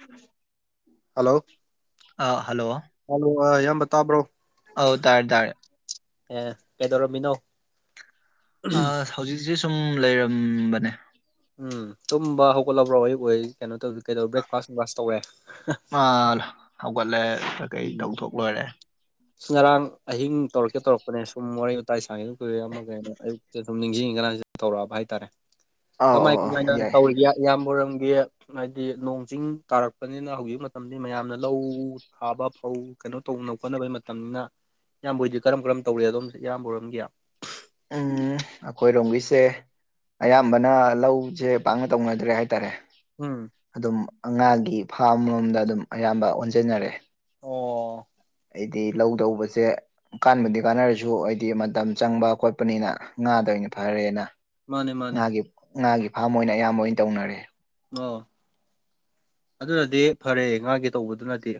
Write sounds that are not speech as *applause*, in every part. ꯎꯝ hello hello hello ꯏꯌꯥꯝꯕ ꯇꯥꯕ꯭ꯔꯣ ꯑꯧ ꯇꯥꯔꯦ ꯇꯥꯔꯦ ꯑꯦ ꯀꯩꯗꯧꯔꯃꯤꯅꯣ ꯑ ꯍꯧꯖꯤꯛꯁꯦ ꯁꯨꯝ ꯂꯩꯔꯝꯕꯅꯦ ꯎꯝ ꯇꯨꯝꯕ ꯍꯧꯒꯠꯂꯕ꯭ꯔꯣ ꯑꯌꯛ ꯑꯣꯏ ꯀꯩꯅꯣ ꯇꯧ ꯀꯩꯗꯧꯕ ꯕ꯭ꯔꯦꯛꯐꯥꯁ ꯋꯐꯥꯁ ꯇꯧꯋꯦ ꯍꯧꯒꯠꯂꯦ ꯀꯩ ꯎꯝ ꯇꯧꯊꯣꯛ ꯂꯣꯏꯔꯦ ꯉꯔꯥꯡ ꯑꯍꯤꯡ ꯇꯧꯔꯛꯀꯦ ꯇꯧꯔꯛꯄꯅꯦ ꯁꯨꯝ ꯋꯥꯔꯤ ꯋꯥꯇꯥꯏ ꯁꯥꯡꯉꯦꯗꯨ ꯀꯨꯏꯔꯦ ꯑꯃꯃꯒꯩꯅ ꯑꯌꯨꯛꯇꯤ ꯑꯗꯨꯝ ꯅꯤꯡꯁꯤꯡꯉꯒꯅ ꯇꯧꯔꯛꯑꯕ ꯍꯥꯏꯇꯥꯔꯦ ꯑꯧ ꯀꯃꯥꯏ ꯑꯧ ꯀꯃꯥꯏꯅ ꯑꯧ ꯌꯥꯏ ꯇꯧꯔꯤꯒꯦ ꯏꯌꯥꯝꯕꯔꯝꯒꯤ ꯍꯥꯏꯗꯤ ꯅꯣꯡ ꯆꯤꯡ ꯇꯥꯔꯛꯄꯅꯤꯅ ꯍꯧꯖꯤꯛ ꯃꯇꯝꯗꯤ ꯃꯌꯥꯝꯅ ꯂꯧ ꯐꯥꯕ ꯐꯧ ꯀꯩꯅꯣ ꯇꯧꯅꯕ ꯈꯣꯠꯅꯕꯩ ꯃꯇꯝꯅꯤꯅ ꯏꯕꯕꯨꯣꯏꯗꯤ ꯀꯔꯝ ꯀꯔꯝ ꯇꯧꯔꯤꯦ ꯑꯗꯣꯝꯦ ꯏꯕꯨꯔꯣꯝꯒꯦ ꯎꯝ ꯑꯩꯈꯣꯏꯔꯣꯝꯕꯤꯁꯦ ꯑꯌꯥꯝꯕꯅ ꯂꯧꯁꯦ ꯄꯥꯛꯅ ꯇꯧꯅꯗ꯭ꯔꯦ ꯍꯥꯏꯇꯥꯔꯦ ꯎꯝ ꯑꯗꯨꯝ ꯑꯉꯥꯒꯤ ꯐꯥꯝ ꯂꯣꯝꯗ ꯑꯗꯨꯝ ꯑꯌꯥꯝꯕ ꯑꯣꯟꯁꯤꯟꯅꯔꯑꯦ ꯑꯣ ꯍꯥꯏꯗꯤ ꯂꯧ ꯇꯧꯕꯁꯦ ꯀꯕꯨꯗꯤ ꯀꯥꯟꯅꯔꯁꯨ ꯍꯥꯏꯗꯤ ꯃꯇꯝ ꯆꯪꯕ ꯈꯣꯠꯄꯅꯤꯅ ꯉꯥꯗꯅꯤ ꯐꯔꯦꯅ ꯃꯥꯅꯦ ꯃꯥꯅꯦ ꯉꯥꯒꯤ ꯉꯥꯒꯤ ꯐꯥꯔꯝ ꯑꯣꯏꯅ ꯑꯌꯥꯝꯕ ꯑꯣꯏꯅ ꯇꯧꯅꯔꯦ ꯑꯣ ꯑꯗꯨꯅꯗꯤ ꯐꯔꯦ ꯉꯥꯒꯤꯦ ꯇꯧꯕꯗꯨꯅꯗꯤ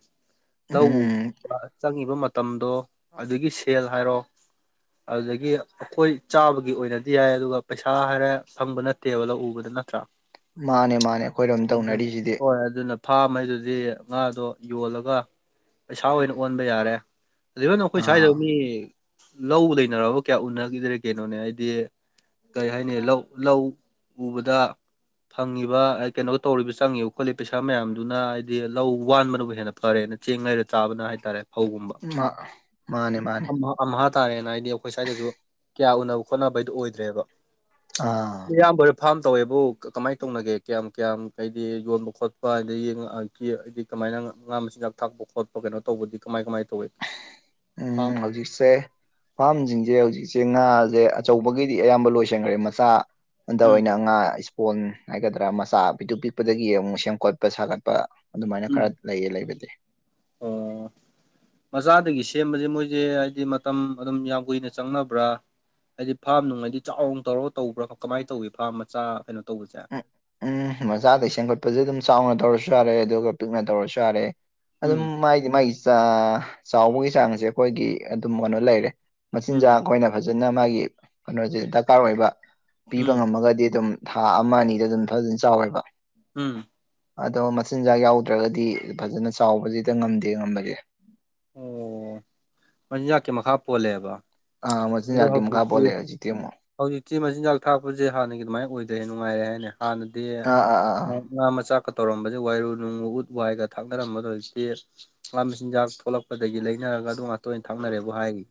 ꯂꯧ ꯎꯝ ꯎꯕ ꯆꯪꯉꯤꯕ ꯃꯇꯝꯗꯣ ꯑꯗꯨꯒꯤ ꯁꯦꯜ ꯍꯥꯏꯔꯣ ꯑꯗꯨꯗꯒꯤ ꯑꯩꯈꯣꯏ ꯆꯥꯕꯒꯤ ꯑꯣꯏꯅꯗꯤ ꯌꯥꯏ ꯑꯗꯨꯒ ꯄꯩꯁꯥ ꯍꯥꯏꯔ ꯐꯪꯕ ꯅꯠꯇꯦꯕ ꯂꯧ ꯎꯕꯗ ꯅꯠꯇ꯭ꯔꯥ ꯃꯥꯅꯦ ꯃꯥꯅꯦ ꯑꯩꯈꯣꯏꯔꯣꯝ ꯇꯧꯅꯔꯤꯁꯤꯗꯤ ꯍ ꯑꯗꯨꯅ ꯐꯥꯝꯉꯩꯗꯨꯗꯤ ꯉꯥꯗꯣ ꯌꯣꯜꯂꯒ ꯄꯩꯁꯥ ꯑꯣꯏꯅ ꯑꯣꯟꯕ ꯌꯥꯔꯦ ꯏꯚꯟ ꯑꯩꯈꯣꯏ ꯁ꯭ꯋꯥꯏꯗ ꯑꯥ ꯃꯤ ꯂꯧ ꯂꯩꯅꯔꯕ ꯀꯌꯥ ꯎꯅꯈꯤꯗ꯭ꯔꯦ ꯀꯩꯅꯣꯅꯦ ꯍꯥꯏꯗꯤ ꯀꯩ ꯍꯥꯏꯅꯤ ꯂꯧ ꯂꯧ ꯎꯕꯗ ꯐꯪꯉꯤꯕ ꯀꯩꯅꯣꯒ ꯇꯧꯔꯤꯕ ꯆꯪꯉꯦꯕ ꯈꯣꯠꯂꯤ ꯄꯩꯁꯥ ꯃꯌꯥꯝꯗꯨꯅ ꯍꯥꯏꯗꯤ ꯂꯧ ꯋꯥꯟꯕꯅꯕꯨ ꯍꯦꯟꯅ ꯐꯔꯦꯅ ꯆꯦꯡ ꯂꯩꯔ ꯆꯥꯕꯅ ꯍꯥꯏꯇꯥꯔꯦ ꯐꯧꯒꯨꯝꯕ ꯃꯥ ꯃꯥꯅꯦ ꯃꯥꯅꯦ ꯑꯝꯍꯥꯥ ꯇꯥꯔꯦꯅ ꯍꯥꯏꯗꯤ ꯑꯩꯈꯣꯏ ꯁ꯭ꯋꯥꯏꯗꯁꯨ ꯀꯌꯥ ꯎꯅꯕ ꯈꯣꯠꯅꯕ ꯍꯥꯏꯗꯨ ꯑꯣꯏꯗ꯭ꯔꯦꯕ ꯑꯥ ꯏꯌꯥꯝꯕꯔꯣꯏ ꯐꯥꯔꯝ ꯇꯧꯋꯦꯕꯨ ꯀꯃꯥꯏ ꯇꯧꯅꯒꯦ ꯀꯌꯥꯝ ꯀꯌꯥꯝ ꯍꯥꯏꯗꯤ ꯌꯣꯟꯕ ꯈꯣꯠꯄ ꯑꯗꯒꯤ ꯉ ꯍꯥꯏꯗꯤ ꯀꯃꯥꯏꯅ ꯉꯥ ꯃꯆꯤꯟꯖꯥꯛ ꯊꯥꯛꯄ ꯈꯣꯠꯄ ꯀꯩꯅꯣ ꯇꯧꯕꯗꯤ ꯀꯃꯥꯏ ꯀꯃꯥꯏ ꯇꯧꯏ ꯎꯝ ꯍꯧꯖꯤꯛꯁꯦ ꯐꯥꯔꯝꯁꯤꯡꯁꯦ ꯍꯧꯖꯤꯛꯁꯦ ꯉꯥꯁꯦ ꯑꯆꯧꯕꯒꯤꯗꯤ ꯑꯌꯥꯝꯕ ꯂꯣꯏꯁꯟꯈ꯭ꯔꯦ ꯃꯆꯥ ꯑꯟꯗ ꯎꯝ ꯑꯣꯏꯅ ꯑꯉꯥꯡ ꯑꯩꯁꯨ ꯀꯣꯟ ꯍꯥꯏꯒꯗ꯭ꯔꯥ ꯃꯆꯥ ꯄꯤꯛꯇꯨ ꯄꯤꯛꯄꯗꯒꯤ ꯑꯃꯨꯛ ꯁꯦꯝꯀꯠꯄ ꯁꯥꯒꯠꯄ ꯑꯗꯨꯃꯥꯏꯅ ꯎꯝ ꯈꯔ ꯂꯩꯌꯦ ꯂꯩꯕꯗꯤ ꯑꯣ ꯃꯆꯥꯗꯒꯤ ꯁꯦꯝꯕꯖꯦ ꯃꯣꯏꯖꯦ ꯍꯥꯏꯗꯤ ꯃꯇꯝ ꯑꯗꯨꯝ ꯌꯥꯝ ꯀꯨꯏꯅ ꯆꯪꯅꯕ꯭ꯔꯥ ꯍꯥꯏꯗꯤ ꯐꯥꯔꯝ ꯅꯨꯡ ꯍꯥꯏꯗꯤ ꯆꯥꯎꯅ ꯇꯧꯔ ꯇꯧꯕ꯭ꯔꯥ ꯀꯃꯥꯏ ꯇꯧꯏꯤ ꯐꯥꯔꯝ ꯃꯆꯥ ꯀꯩꯅꯣ ꯇꯧꯕꯁꯦ ꯎ ꯎꯝ ꯃꯆꯥꯗꯩ ꯁꯦꯝꯒꯠꯄꯖꯨ ꯑꯗꯨꯝ ꯆꯥꯎꯅ ꯇꯧꯔꯁꯨ ꯌꯥꯔꯦ ꯑꯗꯨꯒ ꯄꯤꯛꯅ ꯇꯧꯔꯁꯨ ꯌꯥꯔꯦ ꯑꯗꯨꯝ ꯎꯝ ꯃꯥꯏꯗꯤ ꯃꯥꯒꯤ ꯆꯥ ꯆꯥꯎꯕꯒꯤ ꯆꯥꯡꯁꯦ ꯑꯩꯈꯣꯏꯒꯤ ꯑꯗꯨꯝ ꯀꯩꯅꯣ ꯂꯩꯔꯦ ꯎꯝ ꯃꯆꯤꯟꯖꯥꯛ ꯈꯣꯏꯅ ꯐꯖꯅ ꯃꯥꯒꯤ ꯀꯩꯅꯣꯁꯦ ꯗꯔꯀꯥꯔ ꯑꯣꯏꯕ ꯄꯤꯕ ꯎꯝ ꯉꯝꯃꯒꯗꯤ ꯑꯗꯨꯝ ꯊꯥ ꯑꯃ ꯑꯅꯤꯗ ꯑꯗꯨꯝ ꯐꯖꯅ ꯆꯥꯎꯋꯦꯕ ꯎꯝ ꯑꯗꯣ ꯃꯆꯤꯟꯖꯥꯛ ꯌꯥꯎꯗ꯭ꯔꯒꯗꯤ ꯐꯖꯅ ꯆꯥꯎꯕꯖꯤꯗ ꯉꯝꯗꯦ ꯉꯝꯕꯒꯦ ꯑꯣ ꯃꯆꯤꯟꯖꯥꯛꯀꯤ ꯃꯈꯥ ꯄꯣꯜꯂꯦꯕ ꯑꯥ ꯑꯗꯣ ꯃꯆꯤꯟꯖꯥꯛꯀꯤ ꯃꯈꯥ ꯍꯧꯖꯤꯛꯇꯤ ꯄꯣꯜꯂꯦ ꯍꯧꯖꯤꯛꯇꯤ‌ ꯑꯃꯨꯛ ꯍꯧꯖꯤꯛꯇꯤ ꯃꯆꯤꯟꯖꯥꯛ ꯊꯥꯛꯄꯁꯦ ꯍꯥꯟꯅꯒꯤ ꯑꯗꯨꯃꯥꯏ ꯑꯣꯏꯗ꯭ꯔꯦ ꯅꯨꯡꯉꯥꯏꯔꯦ ꯍꯥꯏꯅꯦ ꯍꯥꯟꯅꯗꯤ ꯑꯥ ꯑꯥ ꯑꯥ ꯑꯥ ꯉꯥ ꯃꯆꯥꯛꯀ ꯇꯧꯔꯝꯕꯖꯦ ꯋꯥꯏꯔꯨ ꯅꯨꯡ ꯎꯠ ꯋꯥꯏꯒ ꯊꯥꯛꯅꯔꯝꯕꯗꯣ ꯍꯧꯖꯤꯛꯇꯤ ꯉꯥ ꯃꯆꯤꯟꯖꯥꯛ ꯊꯣꯛꯂꯛꯄꯗꯒꯤ ꯂꯩꯅꯔꯒ ꯑꯗꯨ ꯉꯥꯛꯇ ꯑꯣꯏꯅ ꯊꯥꯛꯅꯔꯦꯕꯨ ꯍꯥꯏꯔꯤ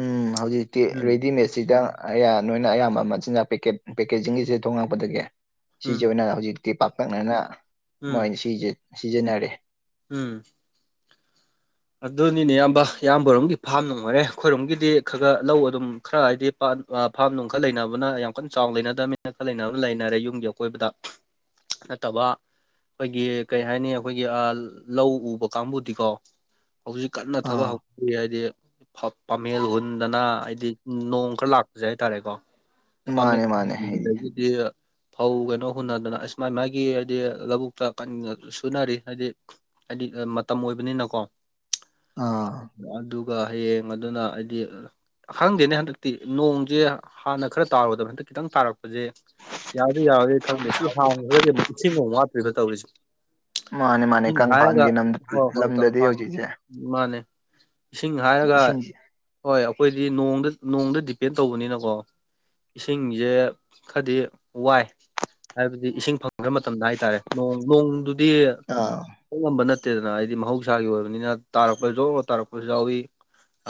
ꯎꯝ ꯍꯧꯖꯤꯛꯇꯤ ꯎꯝ ꯔꯦꯗꯤꯃꯦꯠꯁꯤꯗ ꯑꯩꯌꯥ ꯅꯣꯏꯅ ꯑꯌꯥꯝꯕ ꯑꯃ ꯆꯤꯟꯖꯥꯛ ꯄꯦꯀꯦꯠ ꯄꯦꯀꯦꯖꯤꯡꯒꯤꯁꯦ ꯊꯣꯉꯛꯄꯗꯒꯤ ꯎꯝ ꯁꯤꯖꯦ ꯑꯣꯏꯅ ꯍꯧꯖꯤꯛ ꯇꯤ ꯄꯥꯛꯇꯛꯅꯅ ꯎꯝ ꯃꯣꯏꯅ ꯁꯤꯖꯦ ꯁꯤꯖꯤꯟꯅꯔꯦ ꯎꯝ ꯑꯗꯨꯅꯤꯅꯦ ꯏꯌꯥꯝꯕ ꯏꯌꯥꯝꯕꯔꯣꯝꯒꯤ ꯐꯥꯝ ꯅꯨꯡ ꯑꯣꯏꯔꯦ ꯑꯩꯈꯣꯏꯔꯣꯝꯒꯤꯗꯤ ꯈ ꯒ ꯂꯧ ꯑꯗꯨꯝ ꯈꯔ ꯍꯥꯏꯗꯤ ꯑ ꯐꯥꯔꯝ ꯅꯨꯡ ꯈꯔ ꯂꯩꯅꯕꯅ ꯌꯥꯝ ꯀꯟꯅ ꯆꯥꯎ ꯂꯩꯅꯗꯕꯅꯤꯅ ꯈꯔ ꯂꯩꯅꯕꯅ ꯂꯩꯅꯔꯦ ꯌꯨꯝꯒꯤ ꯑꯀꯣꯏꯕꯗ ꯅꯠꯇꯕ ꯑꯩꯈꯣꯏꯒꯤ ꯀꯩ ꯍꯥꯏꯅꯤ ꯑꯩꯈꯣꯏꯒꯤ ꯑ ꯂꯧ ꯎꯕ ꯀꯥꯡꯕꯨꯗꯤꯀꯣ ꯍꯧꯖꯤꯛ ꯀꯟꯅ ꯊꯕꯛ ꯑꯥ ꯍꯧ ꯍꯥꯏꯗꯤ ꯐ ꯄꯥꯃꯦꯟ ꯍꯨꯟꯗꯅ ꯍꯥꯏꯗꯤ ꯅꯣꯡ ꯈꯔ ꯂꯥꯛꯄꯁꯦ ꯍꯥꯏꯇꯥꯔꯦꯀꯣ ꯄꯥꯃꯦ ꯃꯥꯅꯦ ꯃꯥꯅꯦ ꯍꯥꯏꯗꯤ *unintelligible* ꯐꯧ ꯀꯩꯅꯣ ꯍꯨꯟꯅꯗꯅ ꯑꯁ ꯃꯥꯏ ꯃꯥꯒꯤ ꯍꯥꯏꯗꯤ ꯂꯧꯕꯨꯛꯇ ꯀꯟꯅ ꯁꯨꯅꯔꯤ ꯍꯥꯏꯗꯤ ꯍꯥꯏꯗꯤ ꯃꯇꯝ ꯑꯣꯏꯕꯅꯤꯅꯀꯣ ꯑꯥ ꯑꯗꯨꯒ ꯍꯌꯦꯡ ꯑꯗꯨꯅ ꯍꯥꯏꯗꯤ ꯈꯪꯗꯦꯅꯦ ꯍꯟꯗꯛꯇꯤ ꯅꯣꯡꯖꯦ ꯍꯥꯟꯅ ꯈꯔ ꯇꯥꯔꯨꯗꯕꯅꯦ ꯈꯤꯇꯪ ꯇꯥꯔꯛꯄ ꯍꯧꯖꯤꯛ ꯌꯥꯔꯗꯧ ꯌꯥꯔꯣꯏꯗꯣꯏꯔ ꯈꯪꯗꯦ ꯁꯤ ꯍꯥꯡꯈ꯭ꯔꯒꯗꯤ ꯑꯃꯨꯛ ꯏꯁꯤꯡ ꯑꯃꯨꯛ ꯋꯥꯠꯇꯣꯏꯕ ꯇꯧꯔꯤꯁꯤ ꯃꯥꯅꯦ ꯃꯥꯅꯦ ꯏꯪꯁꯤꯡ ꯍꯥꯏꯔꯒ ꯀꯪꯐꯥꯟꯒꯤ ꯍꯣꯏ ꯍꯣꯏ ꯇꯧ ꯂꯝꯗꯗꯤ ꯍꯧꯖꯤꯛꯁꯦ ꯃꯥꯟꯅꯦ ꯏꯁꯤꯡ ꯍꯥꯏꯔꯒ ꯏꯁꯤꯡꯁꯦ ꯍꯣꯏ ꯑꯩꯈꯣꯏꯗꯤ ꯅꯣꯡꯗ ꯅꯣꯡꯗ ꯗꯤꯄꯦꯟ ꯇꯧꯕꯅꯤꯅꯀꯣ ꯏꯁꯤꯡꯖꯦ ꯈꯗꯤ ꯋꯥꯏ ꯍꯥꯏꯕꯗꯤ ꯏꯁꯤꯡ ꯐꯪꯗꯔ ꯃꯇꯝꯗ ꯍꯥꯏꯇꯥꯔꯦ ꯅꯣꯡ ꯅꯣꯡꯗꯨꯗꯤ ꯑꯥ ꯇꯝ ꯉꯝꯕ ꯅꯠꯇꯦꯗꯅ ꯍꯥꯏꯗꯤ ꯃꯍꯧꯁꯥꯒꯤ ꯑꯣꯏꯕꯅꯤꯅ ꯇꯥꯔꯛꯄ ꯖꯣ ꯇꯥꯔꯛꯄꯁꯨ ꯌꯥꯎꯏꯤ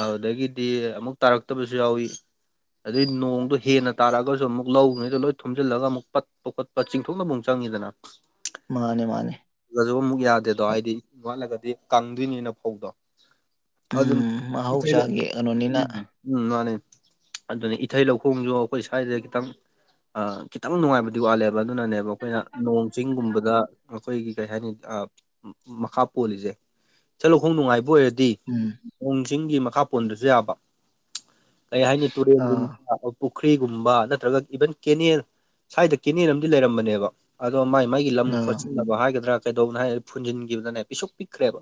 ꯑꯗꯨꯗꯒꯤꯗꯤ ꯑꯃꯨꯛ ꯇꯥꯔꯛꯇꯕꯁꯨ ꯌꯥꯎꯏ ꯑꯗꯩ ꯅꯣꯡꯗꯣ ꯍꯦꯟꯅ ꯇꯥꯔꯛꯑꯒꯁꯨ ꯑꯃꯨꯛ ꯂꯧꯉꯩꯗ ꯂꯣꯏ ꯊꯨꯝꯖꯤꯜꯂꯒ ꯑꯃꯨꯛ ꯄꯠꯄ ꯈꯣꯠꯄ ꯆꯤꯡꯊꯣꯛꯅꯕ ꯑꯃꯨꯛ ꯆꯪꯉꯤꯗꯅ ꯃꯥꯅꯦ ꯃꯥꯅꯦ ꯑꯗꯨꯁꯨ ꯑꯃꯨꯛ ꯌꯥꯗꯦꯗꯣ ꯍꯥꯏꯗꯤ ꯋꯥꯠꯂꯒꯗꯤ ꯀꯪꯗ꯭ꯣꯏꯅꯤꯅ ꯐꯧꯗꯣ ꯑꯗꯨ ꯎꯝ ꯑꯗꯨ ꯃꯍꯧꯁꯥꯒꯤ ꯀꯩꯅꯣꯅꯤꯅ ꯎꯝ ꯎꯝ ꯃꯥꯅꯤ ꯑꯗꯨꯅꯤ ꯏꯊꯩ ꯂꯧꯈꯣꯡꯁꯨ ꯑꯩꯈꯣꯏ ꯁ꯭ꯋꯥꯏꯗ ꯈꯤꯇꯪ ꯑ ꯈꯤꯇꯪ ꯅꯨꯡꯉꯥꯏꯕꯗꯤ ꯋꯥꯠꯂꯦꯕ ꯑꯗꯨꯅꯅꯦꯕ ꯑꯩꯈꯣꯏꯅ ꯅꯣꯡ ꯆꯤꯡꯒꯨꯝꯕꯗ ꯑꯩꯈꯣꯏꯒꯤ ꯀꯩ ꯍꯥꯏꯅꯤ ꯑ ꯃꯈꯥ ꯄꯣꯜꯂꯤꯖꯦ ꯏꯊꯩ ꯂꯧꯈꯣꯡ ꯅꯨꯡꯉꯥꯏꯕ ꯑꯣꯏꯔꯗꯤ ꯎꯝ ꯅꯣꯡꯆꯤꯡꯒꯤ ꯃꯈꯥ ꯄꯣꯟꯗꯔꯁꯨ ꯌꯥꯕ ꯀꯩ ꯍꯥꯏꯅꯤ ꯑꯥ ꯇꯨꯔꯦꯟꯒꯨꯝꯕ ꯄꯨꯈ꯭ꯔꯤꯒꯨꯝꯕ ꯅꯠꯇ꯭ꯔꯒ ꯏꯚꯟ ꯀꯦꯅꯦꯜ ꯁ꯭ꯋꯥꯏꯗ ꯀꯦꯅꯦꯜ ꯑꯃꯗꯤ ꯂꯩꯔꯝꯕꯅꯦꯕ ꯑꯗꯣ ꯃꯥꯏ ꯃꯥꯏꯒꯤ ꯂꯝ ꯑꯥ ꯈꯣꯠꯆꯤꯟꯅꯕ ꯍꯥꯏꯒꯗ꯭ꯔꯥ ꯀꯩꯗꯧ ꯍꯥꯏ ꯐꯨꯟꯖꯤꯟꯈꯤꯕꯗꯅꯦ ꯄꯤꯁꯛ ꯄꯤꯛꯈ꯭ꯔꯦꯕ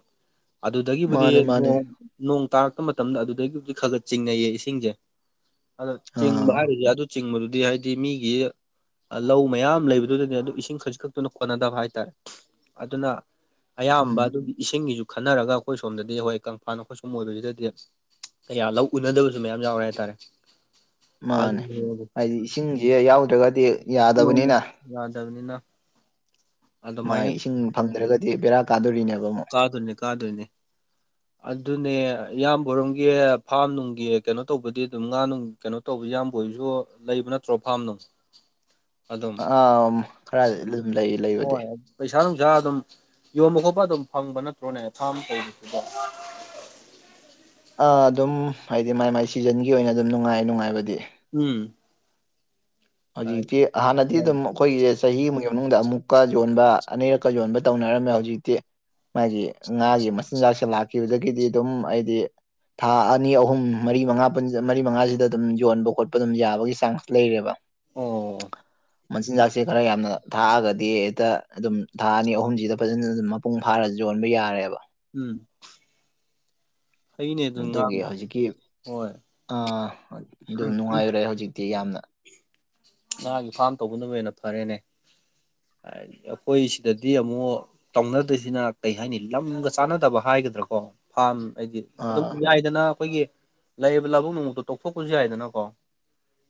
ꯃꯥꯅꯦ ꯑꯗꯨꯗꯒꯤꯕꯨꯗꯤ ꯃꯥꯅꯦ ꯅꯣꯡ ꯅꯣꯡ ꯇꯥꯔꯛꯄ ꯃꯇꯝꯗ ꯑꯗꯨꯗꯒꯤꯕꯨꯗꯤ ꯈꯒꯠ ꯆꯤꯡꯅꯩꯌꯦ ꯏꯁꯤꯡꯁꯦ ꯑꯗ ꯆꯤꯡꯕ ꯑꯥ ꯍꯥꯏꯔꯤꯁꯦ ꯑꯗꯨ ꯆꯤꯡꯕꯗꯨꯗꯤ ꯍꯥꯏꯗꯤ ꯃꯤꯒꯤ ꯂꯧ ꯃꯌꯥꯝ ꯂꯩꯕꯗꯨꯗꯅꯦ ꯑꯗꯨꯝ ꯏꯁꯤꯡ ꯈꯖꯤꯛ ꯈꯛꯇꯅ ꯀꯣꯟꯅꯗꯕ ꯍꯥꯏ ꯇꯔꯦ ꯑꯗꯨꯅ ꯑꯌꯥꯝꯕ ꯎꯝ ꯑꯗꯨꯒꯤ ꯏꯁꯤꯡꯒꯤꯁꯨ ꯈꯟꯅꯔꯒ ꯑꯩꯈꯣꯏ ꯁꯣꯝꯗꯗꯤ ꯍꯣꯏ ꯀꯪꯐꯥꯟ ꯑꯩꯈꯣꯏ ꯁꯣꯝ ꯑꯣꯏꯕꯁꯤꯗꯗꯤ ꯂꯧ ꯎꯅꯗꯕꯁꯨ ꯃꯌꯥꯝ ꯌꯥꯎꯔꯦ ꯍꯥꯏꯇꯥꯔꯦ ꯃꯥꯅꯦ ꯑꯗꯨ ꯍꯥꯏꯗꯤ ꯏꯁꯤꯡꯁꯦ ꯌꯥꯎꯗ꯭ꯔꯒꯗꯤ ꯃꯣꯏ ꯌꯥꯗꯕꯅꯤꯅ ꯂ ꯆꯕꯅꯤꯅ ꯃꯥ ꯏꯁꯤꯡ ꯐꯪꯗ꯭ꯔꯒꯗꯤ ꯕꯦꯔꯥ ꯀꯥꯗꯣꯔꯤꯅꯦꯕ ꯑꯃ ꯀꯥ ꯊꯅꯦ ꯀꯥꯗꯣꯏꯅꯦ ꯑꯗꯨꯅꯦ ꯏꯌꯥꯝꯕꯣꯔꯣꯝꯒꯤ ꯐꯥꯝ ꯅꯨꯡꯒꯤ ꯀꯩꯅꯣ ꯇꯧꯕꯗꯤ ꯑꯗꯨꯝ ꯉꯥ ꯅꯨꯡ ꯀꯩꯅꯣ ꯇꯧꯕ ꯏꯌꯥꯝꯕ ꯑꯣꯏꯁꯨ ꯂꯩꯕ ꯅꯠꯇ꯭ꯔꯣ ꯐꯥꯝꯅꯣ ꯑꯥ ꯈꯔꯗꯤ ꯑꯗꯨꯝ ꯂꯩ ꯂꯩꯕꯗꯤ ꯍꯣꯏ ꯄꯩꯁꯥ ꯅꯨꯡꯁꯥ ꯑꯗꯨꯝ ꯌꯣꯟꯕ ꯈꯣꯠꯄ ꯑꯗꯨꯝ ꯐꯪꯕ ꯅꯠꯇ꯭ꯔꯣꯅꯦ ꯐꯥꯝ ꯇꯧꯕꯁꯤꯗꯣ ꯑꯗꯨꯝ ꯍꯥꯏꯗꯤ ꯃꯥꯏ ꯃꯥꯏ ꯁꯤꯖꯟꯒꯤ ꯑꯣꯏꯅ ꯑꯗꯨꯝ ꯅꯨꯡꯉꯥꯏ ꯅꯨꯡꯉꯥꯏꯕꯗꯤ ꯎꯝ ꯍꯧꯖꯤꯛꯇꯤ ꯍꯥꯟꯅꯗꯤ ꯑꯗꯨꯝ ꯑꯩꯈꯣꯏꯒꯤ ꯆꯍꯤ ꯑꯃꯒꯤ ꯃꯅꯨꯡꯗ ꯑꯃꯨꯛꯀ ꯌꯣꯟꯕ ꯑꯅꯤꯔꯛꯀ ꯌꯣꯟꯕ ꯇꯧꯅꯔꯝꯃꯦ ꯍꯧꯖꯤꯛꯇꯤ ꯃꯥꯒꯤ ꯉꯥꯒꯤ ꯃꯆꯤꯟꯖꯥꯛꯁꯦ ꯂꯥꯛꯈꯤꯕꯗꯒꯤꯗꯤ ꯑꯗꯨꯝ ꯑꯩꯗꯤ ꯊꯥ ꯑꯅꯤ ꯑꯍꯨꯝ ꯃꯔꯤ ꯃꯉꯥ ꯃꯔꯤ ꯃꯉꯥꯁꯤꯗ ꯑꯗꯨꯝ ꯌꯣꯟꯕ ꯈꯣꯠꯄ ꯑꯗꯨꯝ ꯌꯥꯕꯒꯤ ꯆꯥꯟꯁ ꯂꯩꯔꯦꯕ ꯑꯣ ꯃꯆꯤꯟꯖꯥꯛꯁꯦ ꯈꯔ ꯌꯥꯝꯅ ꯊꯥꯛꯑꯒꯗꯤ ꯍꯦꯛꯇ ꯑꯗꯨꯝ ꯊꯥ ꯑꯅꯤ ꯑꯍꯨꯝꯁꯤꯗ ꯐꯖꯅ ꯑꯗꯨꯝ ꯃꯄꯨꯡ ꯐꯥꯔ ꯌꯣꯟꯕ ꯌꯥꯔꯦꯕ ꯎꯝ ꯑꯩꯅꯦ ꯑꯗꯨꯝ ꯉꯥ ꯑꯗꯨꯒꯤ ꯍꯧꯖꯤꯛꯀꯤ ꯍꯣꯏ ꯑꯗꯨ ꯅꯨꯡꯉꯥꯏꯔꯦ ꯍꯧꯖꯤꯛꯇꯤ ꯌꯥꯝꯅ ꯉꯥꯒꯤ ꯐꯥꯔꯝ ꯇꯧꯕꯅ ꯍꯦꯟꯅ ꯐꯔꯦꯅꯦ ꯑꯩꯈꯣꯏ ꯁꯤꯗꯗꯤ ꯑꯃꯨꯛ ꯇꯧꯅꯗꯣꯏꯁꯤꯅ ꯀꯩ ꯍꯥꯏꯅꯤ ꯂꯝꯒ ꯆꯥꯟꯅꯗꯕ ꯍꯥꯏꯒꯗ꯭ꯔꯥꯀꯣ ꯐꯥꯝ ꯍꯥꯏꯗꯤ ꯑꯗꯨꯝ ꯑꯥ ꯌꯥꯏꯗꯅ ꯑꯩꯈꯣꯏꯒꯤ ꯂꯩꯔꯤꯕ ꯂꯧꯕꯨꯛ ꯅꯨꯡꯃꯨꯛꯇꯣ ꯇꯣꯛꯊꯣꯛꯄꯁꯨ ꯌꯥꯏꯗꯅꯀꯣ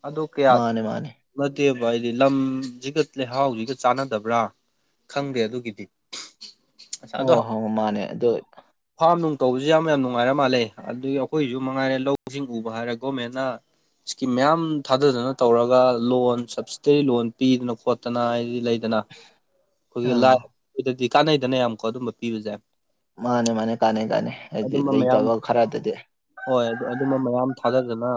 ꯑꯗꯨꯗ ꯀꯌꯥ ꯃꯥꯅꯦ ꯃꯥꯅꯦ ꯅꯠꯇꯦꯕ ꯑꯩꯗꯤ ꯂꯝꯁꯤꯒ ꯂꯩꯍꯥꯎꯁꯤꯒ ꯆꯥꯟꯅꯗꯕ꯭ꯔꯥ ꯈꯪꯗꯦ ꯑꯗꯨꯒꯤꯗꯤ ꯑꯁ ꯑꯗꯣ ꯑꯣ ꯍꯣ ꯃꯥꯅꯦ ꯑꯗꯨꯗ ꯐꯥꯔꯝ ꯅꯨꯡ ꯇꯧꯕꯁꯤꯦ ꯌꯥꯝ ꯌꯥꯝ ꯅꯨꯡꯉꯥꯏꯔ ꯃꯥꯜꯂꯦ ꯑꯗꯒꯤ ꯑꯩꯈꯣꯏꯁꯨ ꯃꯉꯥꯏꯔꯦ ꯂꯧꯁꯤꯡ ꯎꯕ ꯍꯥꯏꯔꯒ ꯒꯣꯔꯃꯦꯟꯅ ꯏꯁꯀꯤꯝ ꯃꯌꯥꯝ ꯊꯥꯗꯗꯅ ꯇꯧꯔꯒ ꯂꯣꯟ ꯁꯕꯁꯤꯗꯔꯤ ꯂꯣꯟ ꯄꯤꯗꯅ ꯈꯣꯠꯇꯅ ꯍꯥꯏꯗꯤ ꯂꯩꯗꯅ ꯑꯩꯈꯣꯏꯒꯤ ꯑꯥ ꯂꯥꯏꯗꯗꯤ ꯀꯥꯟꯅꯩꯗꯅ ꯌꯥꯝꯀꯣ ꯑꯗꯨꯝꯕ ꯄꯤꯕꯁꯦ ꯃꯥꯅꯦ ꯃꯥꯅꯦ ꯀꯥꯟꯅ ꯀꯥꯟꯅ ꯍꯥꯏꯗꯤ ꯑꯗꯨꯝꯕ ꯃꯌꯥꯝ ꯂꯩꯇꯕ ꯈꯔꯗꯗꯤ ꯍꯣꯏ ꯑꯗꯨ ꯑꯗꯨꯝꯕ ꯃꯌꯥꯝ ꯊꯥꯗꯗꯅ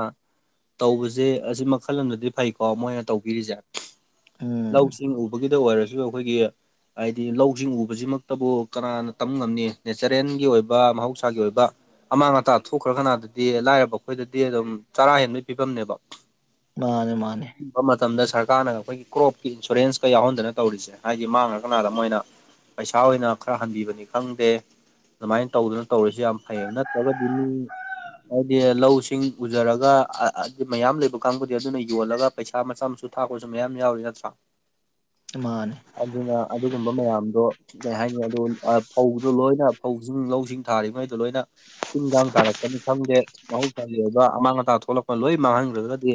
ꯇꯧꯕꯁꯦ ꯑꯁꯤ ꯃꯈꯜ ꯑꯃꯗꯗꯤ ꯐꯩꯀꯣ ꯃꯣꯏꯅ ꯇꯧꯕꯤꯔꯤꯁꯦ ꯎꯝ ꯂꯧꯁꯤꯡ ꯎꯕꯒꯤꯗ ꯑꯣꯏꯔ ꯑꯩꯈꯣꯏꯒꯤ ꯍꯥꯏꯗꯤ ꯂꯧꯁꯤꯡ ꯎꯕꯁꯤꯃꯛꯇꯕꯨ ꯀꯅꯥꯅ ꯇꯝ ꯉꯝꯅꯤ ꯅꯦꯆꯔ ꯐ꯭ꯔꯦꯟꯒꯤ ꯑꯣꯏꯕ ꯃꯍꯧꯁꯥꯒꯤ ꯑꯣꯏꯕ ꯑꯃꯥꯡ ꯑꯇꯥ ꯊꯣꯛꯈ꯭ꯔ ꯀꯅꯥꯗꯗꯤ ꯂꯥꯏꯔꯕ ꯑꯩꯈꯣꯏꯗꯗꯤ ꯑꯗꯨꯝ ꯆꯔꯥ ꯍꯦꯟꯕꯩ ꯐꯤꯕꯝꯅꯦꯕ ꯃꯥꯅꯦ ꯃꯥꯅꯦ ꯕ ꯃꯇꯝꯗ ꯁꯔꯀꯥꯔꯅ ꯑꯩꯈꯣꯏꯒꯤ ꯀ꯭ꯔꯣꯞꯀꯤ ꯏꯟꯁꯨꯔꯦꯟꯁꯀ ꯌꯥꯎꯍꯟꯗꯅ ꯇꯧꯔꯤꯁꯦ ꯍꯥꯏꯗꯤ ꯃꯥꯡꯒ꯭ꯔꯀꯅꯥꯗ ꯃꯣꯏꯅ ꯄꯩꯁꯥ ꯑꯣꯏꯅ ꯈꯔ ꯍꯟꯕꯤꯕꯅꯤ ꯈꯪꯗꯦ ꯑꯗꯨꯃꯥꯏꯅ ꯇꯧꯗꯅ ꯇꯧꯔꯤꯁꯤ ꯌꯥꯝ ꯐꯩꯌꯦꯕ ꯅꯠꯇ꯭ꯔꯒꯗꯤ ꯃꯤ ꯍꯥꯏꯗꯤ ꯂꯧꯁꯤꯡ ꯎꯖꯔꯒ ꯃꯌꯥꯝ ꯂꯩꯕ ꯀꯥꯡꯕꯨꯗꯤ ꯑꯗꯨꯅ ꯌꯣꯜꯂꯒ ꯄꯩꯁꯥ ꯃꯆꯥ ꯃꯁꯨ ꯊꯥꯛꯄꯁꯨ ꯃꯌꯥꯝ ꯌꯥꯎꯔꯤ ꯅꯠꯇ꯭ꯔꯥ ꯏꯃꯥꯟ ꯑꯗꯨꯅ ꯑꯗꯨꯒꯨꯝꯕ ꯃꯌꯥꯝꯗꯣ ꯀꯩꯍꯥꯏꯅꯤ ꯑꯗꯨ ꯐꯧꯗꯣ ꯂꯣꯏꯅ ꯐꯧꯖꯤꯡ ꯂꯧꯁꯤꯡ ꯊꯥꯔꯤꯕꯉꯩꯗꯣ ꯂꯣꯏꯅ ꯇꯤꯟꯒꯥꯡ ꯇꯥꯔꯛꯄꯅꯤ ꯈꯪꯗꯦ ꯃꯍꯧꯁꯥꯒꯤ ꯑꯣꯏꯕ ꯑꯃꯥꯡ ꯑꯇꯥ ꯊꯣꯛꯂꯛꯄ ꯂꯣꯏ ꯃꯥꯡꯍꯟꯒ꯭ꯔꯒꯗꯤ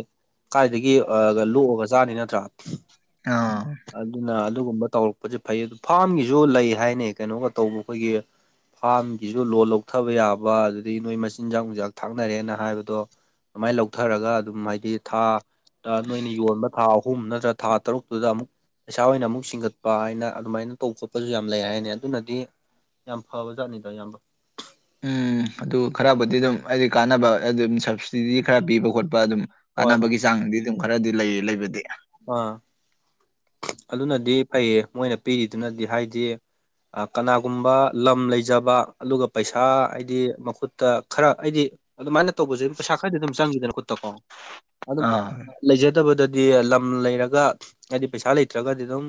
ꯀꯥꯏꯗꯒꯤ ꯑ ꯂꯣꯛꯑꯒ ꯆꯥꯅꯤ ꯅꯠꯇ꯭ꯔꯥ ꯑꯥ ꯑꯗꯨꯅ ꯑꯗꯨꯒꯨꯝꯕ ꯇꯧꯔꯛꯄꯖꯦ ꯐꯩ ꯑꯗꯨ ꯐꯥꯝꯒꯤꯁꯨ ꯂꯩ ꯍꯥꯏꯅꯦ ꯀꯩꯅꯣꯒ ꯇꯧꯕ ꯑꯩꯈꯣꯏꯒꯤ ꯐꯥꯝꯒꯤꯁꯨ ꯂꯣꯟ ꯂꯧꯊꯕ ꯌꯥꯕ ꯑꯗꯨꯗꯒꯤ ꯅꯣꯏ ꯃꯆꯤꯟꯖꯥꯛ ꯅꯨꯡꯆꯥꯛ ꯊꯥꯛꯅꯔꯦꯅ ꯍꯥꯏꯕꯗꯣ ꯑꯃꯥꯏ ꯂꯧꯊꯔꯒ ꯑꯗꯨꯝ ꯍꯥꯏꯗꯤ ꯊꯥ ꯅꯣꯏꯅ ꯌꯣꯟꯕ ꯊꯥ ꯑꯍꯨꯝ ꯅꯠꯇ꯭ꯔ ꯊꯥ ꯇꯔꯨꯛꯇꯨꯗ ꯑꯃꯨꯛ ꯄꯩꯁꯥ ꯑꯣꯏꯅ ꯑꯃꯨꯛ ꯁꯤꯡꯒꯠꯄ ꯍꯥꯏꯅ ꯑꯗꯨꯃꯥꯏꯅ ꯇꯧ ꯈꯣꯠꯄꯁꯨ ꯌꯥꯝ ꯂꯩ ꯍꯥꯏꯅꯦ ꯑꯗꯨꯅꯗꯤ꯫ ꯐꯕꯖꯥꯠꯅꯤꯗ ꯏꯌꯥꯝꯕ꯫ ꯎꯝ ꯑꯗꯨ ꯈꯔꯕꯨꯗꯤ ꯑꯗꯨꯝ ꯑꯩꯗꯤ ꯀꯥꯟꯅꯕ ꯑꯗꯨꯝ ꯁꯕꯁꯤꯗꯤ ꯈꯔ ꯄꯤꯕ ꯈꯣꯠꯄ ꯑꯗꯨꯝ꯫ ꯍꯣꯏ ꯍꯣꯏ ꯀꯥꯟꯅꯕꯒꯤ ꯆꯥꯡꯗꯤ ꯑꯗꯨꯝ ꯈꯔꯗꯤ ꯂꯩꯌꯦ ꯂꯩꯕꯗꯤ꯫ ꯑ꯫ ꯑꯗꯨꯅꯗꯤ ꯐꯩꯌꯦ ꯃꯣꯏꯅ ꯄꯤꯔꯤꯗꯨꯅꯗꯤ ꯍꯥꯏꯗꯤ꯫ ꯑ ꯀꯅꯥꯒꯨꯝꯕ ꯂꯝ ꯂꯩꯖꯕ ꯑꯗꯨꯒ ꯄꯩꯁꯥ ꯍꯥꯏꯗꯤ ꯃꯈꯨꯠꯇ ꯈꯔ ꯑꯩꯗꯤ꯫ ꯑꯗꯨꯃꯥꯏꯅ ꯇꯧꯕꯁꯦ ꯄꯩꯁꯥ ꯈꯔꯗꯤ ꯑꯗꯨꯝ ꯆꯪꯈꯤꯗꯅ ꯈꯨꯠꯇ ꯀꯣ꯫ ꯑꯗꯨꯝꯕ ꯑꯥ ꯂꯩꯖꯗꯕꯗꯗꯤ ꯂꯝ ꯂꯩꯔꯒ ꯍꯥꯏꯗꯤ ꯄꯩꯁꯥ ꯂꯩꯇ꯭ꯔꯒꯗꯤ ꯑꯗꯨꯝ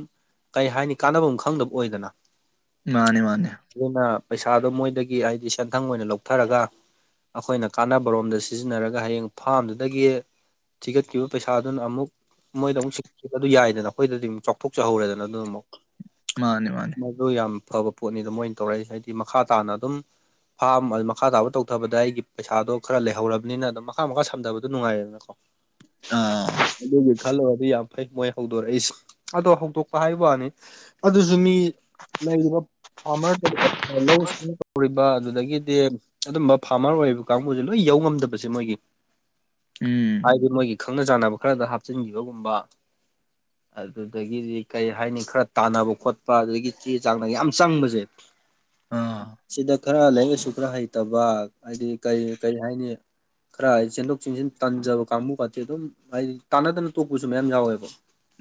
ꯀꯩ ꯍꯥꯏꯅꯤ ꯀꯥꯟꯅꯕꯝ ꯈꯪꯗꯕ ꯑꯣꯏꯗꯅ ꯃꯥꯅꯦ ꯃꯥꯅꯦ ꯑꯗꯨꯅ ꯄꯩꯁꯥꯗꯣ ꯃꯣꯏꯗꯒꯤ ꯍꯥꯏꯗꯤ ꯁꯦꯟꯊꯪ ꯑꯣꯏꯅ ꯂꯧꯊꯔꯒ ꯑꯩꯈꯣꯏꯅ ꯀꯥꯟꯅꯕꯔꯣꯝꯗ ꯁꯤꯖꯤꯟꯅꯔꯒ ꯍꯌꯦꯡ ꯐꯥꯝꯗꯨꯗꯒꯤ ꯊꯤꯒꯠꯈꯤꯕ ꯄꯩꯁꯥꯗꯨꯅ ꯑꯃꯨꯛ ꯃꯣꯏꯗ ꯑꯃꯨꯛ ꯁꯤꯈꯤꯕ ꯑꯗꯨ ꯌꯥꯏꯗꯅ ꯑꯩꯈꯣꯏꯗꯗꯤ ꯑꯃꯨꯛ ꯆꯥꯎꯊꯣꯛꯆꯍꯧꯔꯦꯗꯅ ꯑꯗꯨꯅ ꯑꯃꯨꯛ ꯃꯥꯅꯦ ꯃꯥꯅꯦ ꯑꯗꯨ ꯌꯥꯝ ꯐꯕ ꯄꯣꯠꯅꯤꯗ ꯃꯣꯏꯅ ꯇꯧꯔꯩꯁꯦ ꯍꯥꯏꯗꯤ ꯃꯈꯥ ꯇꯥꯅ ꯑꯗꯨꯝ꯫ ꯐꯥꯝ ꯃꯈꯥ ꯇꯥꯕ ꯇꯧꯊꯕꯗ ꯑꯩꯒꯤ ꯄꯩꯁꯥꯗꯣ ꯈꯔ ꯂꯩꯍꯧꯔꯕꯅꯤꯅ ꯑꯗꯨꯝ ꯃꯈꯥ ꯃꯈꯥ ꯁꯝꯊꯕꯗꯨ ꯅꯨꯡꯉꯥꯏꯔꯦꯗꯅ꯫ *unintelligible* ꯑ꯫ ꯑꯗꯨꯒꯤ ꯈꯜꯂꯨꯔꯗꯤ ꯌꯥꯝ ꯐꯩ ꯃꯣꯏ ꯍꯧꯗꯣꯔꯛꯏꯁꯦ ꯑꯗꯣ ꯍꯧꯗꯣꯛꯄ ꯍꯥꯏꯕ ꯋꯥꯅꯤ꯫ ꯑꯗꯨꯁꯨ ꯃꯤ ꯂꯩꯔꯤꯕ꯫ ꯐꯥꯝꯃꯔ *unintelligible* ꯂꯧ ꯁꯤꯡ ꯇꯧꯔꯤꯕ ꯑꯗꯨꯗꯒꯤꯗꯤ ꯑꯗꯨꯝꯕ ꯐꯥꯝꯃꯔ ꯑꯣꯏꯔꯤꯕ꯫ ꯀꯥꯡꯕꯨꯁꯦ ꯂꯣꯏ ꯌꯧ ꯉꯝꯗꯕꯁꯦ ꯃꯣꯏꯒꯤ꯫ ꯎꯝ ꯍꯥꯏꯗꯤ ꯃꯣꯏꯒꯤ ꯈꯪꯅ ꯆꯥꯟꯅꯕ ꯈꯔꯗ ꯍꯥꯞꯆꯤꯟꯒꯤꯕꯒꯨꯝꯕ꯫ ꯑꯗꯨꯗꯒꯤꯗꯤ ꯀꯩ ꯍꯥꯏꯅꯤ ꯈꯔ ꯇꯥꯟꯅꯕ ꯈꯣꯠꯄ ꯑꯗꯨꯗꯒꯤ ꯆꯦ ꯆꯥꯡꯅ ꯌꯥꯝ ꯆꯪꯕꯁꯦ꯫ ꯑꯥ ꯁꯤꯗ꯫ ꯈꯔ ꯂꯥꯏꯔꯤꯛ ꯂꯥꯏꯁꯨ ꯈꯔ ꯍꯩꯇꯕ ꯍꯥꯏꯗꯤ ꯀꯔꯤ ꯀꯔꯤ ꯍꯥꯏꯅꯤ꯫ ꯈꯔ ꯍꯥꯏꯗꯤ ꯆꯦꯟꯊꯣꯛ ꯆꯦꯟꯁꯤꯟ ꯇꯟꯖꯕ ꯀꯥꯡꯕꯨ ꯀꯥꯇꯤ ꯑꯗꯨꯝ ꯍꯥꯏꯗꯤ ꯇꯥꯟꯅꯗꯅ ꯇꯣꯛꯄꯁꯨ ꯃꯌꯥꯝ ꯌꯥꯎꯌꯦꯕ꯫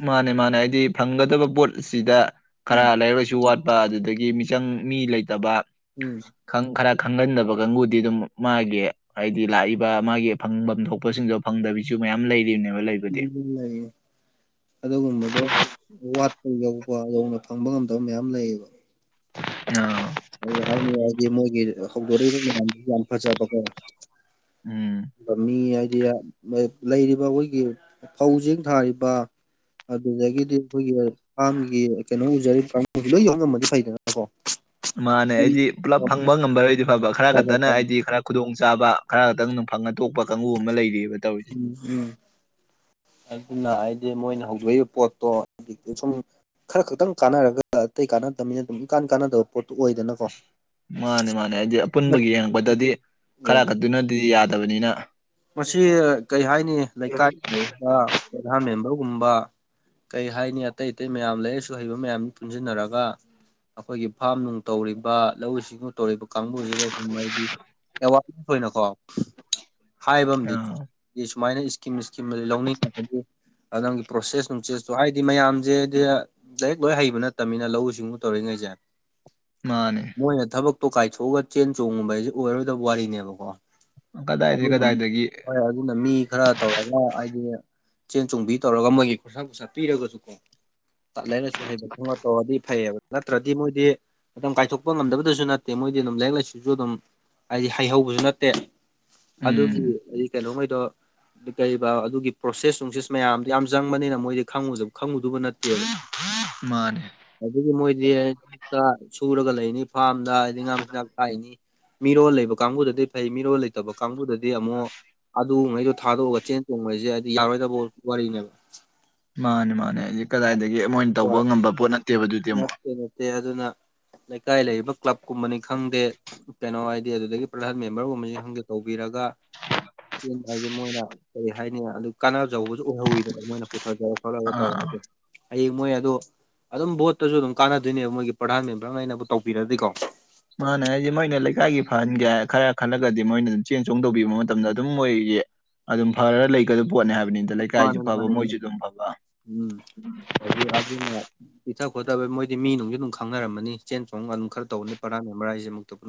ꯃꯥꯅꯦ ꯃꯥꯅꯦ ꯍꯥꯏꯗꯤ ꯐꯪꯒꯗꯕ ꯄꯣꯠꯁꯤꯗ ꯈꯔ ꯎꯝ ꯂꯥꯏꯔꯤꯛ ꯂꯥꯏꯁꯨ ꯋꯥꯠ꯫ ꯑꯗꯨꯗꯒꯤ ꯃꯤꯆꯪ ꯃꯤ ꯂꯩꯇꯕ꯫ ꯎꯝ꯫ ꯈꯔ ꯈꯪꯍꯟꯗꯕ ꯀꯥꯡꯕꯨꯗꯤ ꯑꯗꯨꯝ ꯃꯥꯒꯤ ꯍꯥꯏꯗꯤ ꯂꯥꯛꯏꯕ ꯃꯥꯒꯤ ꯐꯪꯐꯝ ꯊꯣꯛꯄꯁꯤꯡꯗꯣ꯫ ꯐꯪꯗꯕꯤꯁꯨ ꯃꯌꯥꯝ ꯂꯩꯔꯤꯕꯅꯦꯕ ꯂꯩꯕꯗꯤ꯫ ꯎꯝ ꯂꯩꯌꯦ ꯑꯗꯨꯒꯨꯝꯕꯗꯣ ꯋꯥꯠ꯫ ꯑꯩꯈ ꯌꯧꯕ ꯌꯧꯅ ꯐꯪꯕ ꯉꯝꯗꯕ ꯃꯌꯥꯝ ꯂꯩꯌꯦꯕ꯫ ꯑ꯫ ꯑꯗꯨ ꯍꯥꯏꯅꯤ ꯍꯥꯏꯗꯤ ꯃꯣꯏꯒꯤ ꯍꯧꯗꯣꯔꯛꯏꯕ ꯃꯌꯥꯝꯗꯨꯁꯨ ꯌꯥꯝ ꯐꯖꯕꯀꯣ꯫ ꯎꯝ꯫ ꯃꯤ ꯍꯥꯏꯗꯤ ꯂꯩꯔꯤꯕ ꯑꯩꯈꯣꯏꯒꯤ ꯐꯧꯁꯤꯡ ꯊꯥꯔꯤꯕ꯫ ꯑꯗꯨꯗꯒꯤꯗꯤ ꯑꯩꯈꯣꯏꯒꯤ꯫ ꯐꯥꯝꯒꯤ ꯀꯩꯅꯣ ꯎꯖꯔꯤ ꯀꯥꯡꯕꯨ ꯂꯣꯏ ꯌꯧ ꯉꯝꯃꯗꯤ ꯐꯩꯗꯅ ꯀꯣ꯫ ꯃꯥꯅꯦ ꯑꯩꯗꯤ ꯄꯨꯂꯞ ꯐꯪꯕ ꯉꯝꯕꯔꯣꯏꯗꯤ ꯐꯕ ꯈꯔ ꯈꯛꯇꯅ ꯎꯝ ꯑꯩꯗꯤ ꯈꯔ꯫ ꯈꯨꯗꯣꯡ ꯆꯥꯕ ꯈꯔ ꯈꯛꯇꯪ ꯐꯪꯉ ꯊꯣꯛꯣꯛꯄ ꯀꯥꯡꯕꯨ ꯑꯃ ꯂꯩꯔꯤꯑꯕ ꯇꯧꯔꯤꯁꯦ꯫ ꯎꯝ ꯑꯗꯨꯅ ꯍꯥꯏꯗꯤ ꯃꯣꯏꯅ ꯍꯧꯗꯣꯛꯏꯕ ꯄꯣꯠꯇꯣ ꯍꯧꯖꯤꯛꯇꯤ ꯁꯨꯝ꯫ ꯈꯔ ꯈꯛꯇꯪ ꯀꯥꯟꯅꯔꯒ ꯑꯇꯩ ꯀꯥꯟꯅꯗꯕꯅꯤꯅ ꯑꯗꯨꯝ ꯏꯀꯥꯟ ꯀꯥꯟꯅꯗꯕ ꯄꯣꯠꯇꯨ ꯑꯣꯏꯗꯅ꯫ ꯃꯥꯅꯦ ꯃꯥꯅꯦ ꯍꯥꯏꯗꯤ ꯑꯄꯨꯟꯕꯒꯤ ꯌꯦꯡꯉꯛꯄꯗꯗꯤ ꯎꯝ ꯈꯔ ꯈꯛꯇꯅ꯫ ꯑꯗꯨꯗꯤ ꯌꯥꯗꯕꯅꯤꯅ꯫ ꯃꯁꯤ ꯀꯔꯤ ꯍꯥꯏꯅꯤ ꯂꯩꯀꯥꯏ ꯂꯩꯔꯤꯕ ꯄ꯭ꯔꯙꯥꯟ ꯃꯦꯝꯕꯔꯒꯨꯝꯕ꯫ ꯀꯩ ꯍꯥꯏꯅꯤ ꯑꯇꯩ ꯑꯇꯩ ꯃꯌꯥꯝ ꯂꯩꯔꯁꯨ ꯍꯩꯕ ꯃꯌꯥꯝꯅꯤ ꯄꯨꯟꯁꯤꯟꯅꯔꯒ꯫ ꯑꯩꯈꯣꯏꯒꯤ ꯐꯥꯝ ꯅꯨꯡ ꯇꯧꯔꯤꯕ ꯂꯧꯎ ꯁꯤꯡꯎ ꯇꯧꯔꯤꯕ ꯀꯥꯡꯕꯨꯁꯤꯗ ꯁꯨꯝ ꯃꯒꯤ ꯑꯦꯋꯥꯔꯅꯦꯁ ꯑꯣꯏꯅꯀꯣ ꯍꯥꯏꯕ ꯑꯃꯗꯤ ꯑꯥ ꯁꯨꯃꯥꯏꯅ ꯏꯁꯀꯤꯝ ꯏꯁꯀꯤꯝ ꯂꯧꯅꯤꯡꯉꯕꯒꯤ ꯅꯪꯒꯤ ꯄ꯭ꯔꯣꯁꯦꯁ ꯅꯨꯡꯆꯦꯁꯇꯣ ꯍꯥꯏꯗꯤ ꯃꯌꯥꯝꯁꯦ ꯍꯥꯏ ꯂꯔꯤꯦꯛ ꯂꯣꯏ ꯍꯩꯕ ꯅꯠꯇꯕꯅꯤꯅ ꯂꯧꯎ ꯁꯤꯡꯎ ꯇꯧꯔꯤꯉꯩꯁꯦ ꯃꯥꯅꯦ ꯃꯣꯏꯅ ꯊꯕꯛꯇꯣ ꯀꯥꯏꯊꯣꯛꯑꯒ ꯆꯦꯟ ꯆꯣꯡꯒꯨꯝꯕ ꯍꯥꯏꯁꯦ ꯑꯣꯏꯔꯣꯏꯗꯕ ꯋꯥꯔꯤꯅꯦꯕꯀꯣ ꯀꯗꯥꯏꯗꯒꯤ ꯀꯗꯥꯏꯗꯒꯤ ꯈꯥꯔ ꯑꯗꯨꯅ ꯃꯤ ꯈꯔ ꯇꯧꯔꯒ ꯍꯥꯏꯗꯤ꯫ ꯆꯦꯟ ꯆꯣꯡꯕꯤ ꯇꯧꯔꯒ ꯃꯣꯏꯒꯤ ꯈꯨꯣꯔꯁꯥ ꯈꯨꯠꯁꯥꯠ ꯄꯤꯔꯒꯁꯨ ꯀꯣ꯫ ꯇꯂꯥꯏꯅꯁꯨ ꯍꯩꯕ ꯈꯣꯡꯉ ꯇꯧꯔꯗꯤ ꯐꯩꯌꯦꯕ ꯅꯠꯇ꯭ꯔꯗꯤ ꯃꯣꯏꯗꯤ꯫ ꯃꯇꯝ ꯀꯥꯏꯊꯣꯛꯄ ꯉꯝꯗꯕꯗꯁꯨ ꯅꯠꯇꯦ ꯃꯣꯏꯗꯤ ꯑꯗꯨꯝ ꯂꯥꯏꯔꯤꯛ ꯂꯥꯏꯁꯨ ꯑꯗꯨꯝ ꯍꯥꯏꯗꯤ ꯍꯩꯍꯧꯕꯁꯨ ꯅꯠꯇꯦ꯫ ꯑꯗꯨꯒꯤ ꯎꯝ ꯍꯥꯏꯗꯤ ꯀꯩꯅꯣꯉꯩꯗꯣ꯫ ꯑꯗꯨ ꯀꯩꯑꯦꯕ ꯑꯗꯨꯒꯤ ꯄ꯭ꯔꯣꯁꯦꯁ ꯅꯨꯡꯁꯦꯁ ꯃꯌꯥꯝꯗꯨꯣ ꯌꯥꯝ ꯆꯪꯕꯅꯤꯅ ꯃꯣꯏꯗꯤ ꯈꯪꯉꯨꯗꯕ ꯅꯠꯇꯦꯕ꯫ ꯃꯥꯅꯦ꯫ ꯑꯗꯨꯒꯤ ꯃꯣꯏꯗꯤ ꯂꯕꯨꯛꯇ ꯁꯨꯔꯒ ꯂꯩꯅꯤ ꯐꯥꯔꯝꯗ ꯍꯥꯏꯗꯤ ꯉꯥ ꯃꯆꯤꯟꯥꯛ ꯊꯥꯛꯏꯅꯤ꯫ ꯃꯤꯔꯣꯜ ꯂꯩꯕ ꯀꯥꯡꯕꯨꯗꯗꯤ ꯐꯩ ꯃꯤꯔꯣꯜ ꯂꯩꯇꯕ ꯀꯥꯡꯕꯨꯗꯗꯤ ꯑꯃꯨꯛ ꯑꯗꯨꯒꯉꯩꯗꯣ ꯊꯥꯗꯣꯛꯑꯒ ꯆꯦꯟ ꯆꯣꯡꯕ ꯍꯥꯏꯩꯁꯦ ꯍꯥꯏꯗꯤ ꯌꯥꯔꯣꯏꯗꯕ ꯋꯥꯔꯤꯅꯦꯕ ꯃꯥꯅꯦ ꯃꯥꯅꯦ ꯑꯩꯁ ꯀꯗꯥꯏꯗꯒꯤ ꯑꯃꯣꯏ ꯑꯣꯏꯅ ꯇꯧꯕ ꯉꯝꯕ ꯄꯣꯠ ꯅꯠꯇꯦꯕ ꯑꯗꯨꯗꯤ ꯑꯃꯨꯛ ꯅꯠꯇ ꯅꯠꯇꯦ ꯑꯗꯨꯅ ꯂꯩꯀꯥꯏ ꯂꯩꯔꯤꯕ ꯀ꯭ꯂꯕꯀꯨꯝꯕꯅꯤ ꯈꯪꯗꯦ ꯀꯩꯅꯣ ꯍꯥꯏꯗꯤ ꯑꯗꯨꯗꯒꯤ ꯄ꯭ꯔꯁꯠ ꯃꯦꯝꯕꯔꯒꯨꯝꯕꯕꯁꯤ ꯈꯪꯗꯦ ꯇꯧꯕꯤꯔꯒ ꯆꯦꯟ ꯍꯥꯏꯁꯦ ꯃꯣꯏꯅ ꯀꯩ ꯍꯥꯏꯅꯤ ꯑꯗꯨ ꯀꯥꯟꯅꯕꯖꯧꯕꯁꯨ ꯑꯣꯏꯍꯧꯋꯤꯗꯕ ꯃꯣꯏꯅ ꯄꯨꯊꯔ ꯈꯣꯠꯂꯛꯑꯒ ꯑꯥ ꯇꯧꯔꯒꯗꯤ ꯍꯌꯦꯡ ꯃꯣꯏ ꯑꯣ ꯑꯗꯨꯝ ꯕꯣꯠ ꯠꯇꯁꯨ ꯑꯗꯨꯝ ꯀꯥꯟꯅꯗꯣꯏꯅꯦꯕ ꯃꯣꯏꯒꯤ ꯄ꯭ꯔꯙꯥꯟ ꯃꯦꯝꯕ꯭ꯔꯥ ꯉꯩꯅꯕꯨ ꯇꯤꯔꯗꯤꯀꯣ ꯃꯥꯅꯦ ꯍꯥꯏ ꯃꯩꯅꯅꯦ ꯂꯩ ꯀ ꯍꯥꯏꯒꯤꯦ ꯐꯍꯟꯒꯦ ꯈꯔ ꯈꯜꯂꯒꯗꯤ ꯃꯣꯏꯅ ꯑꯗꯨꯝ ꯆꯦꯟ ꯆꯣꯡ ꯇꯧꯕꯤꯕ ꯃꯇꯝꯗ ꯑꯗꯨꯝ ꯃꯣꯏꯒꯤ ꯑꯗꯨꯝ ꯐꯔ ꯂꯩꯒꯗꯕ ꯄꯣꯠꯅꯤ ꯍꯥꯏꯕꯅꯤꯗ ꯂꯩꯀꯥꯏꯁꯨ ꯃꯥꯅꯦ ꯐꯕ ꯃꯥꯅꯦ ꯃꯣꯏꯁꯨ ꯃꯥꯅꯦ ꯑꯗꯨꯝ ꯐꯕ ꯎꯝ ꯑꯗꯨ ꯑꯗꯨꯅ ꯄꯤꯊ ꯈꯣꯠꯊꯕ ꯃꯣꯏꯗꯤ ꯃꯤꯅꯨꯡꯁꯨ ꯑꯗꯨꯝ ꯈꯪꯅꯔꯝꯅꯤ ꯆꯦꯟ ꯆꯣꯡ ꯑꯗꯨꯝ ꯈꯔ ꯇꯧꯕꯅꯤ ꯄꯔꯥꯅꯤ ꯃꯔꯥꯥꯏꯁꯦꯃꯨꯛꯇ ꯄꯨ